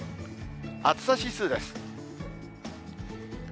暑さ指数です。